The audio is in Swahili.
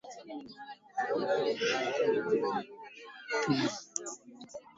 ninaanza na gazeti la daily nation la kenya ken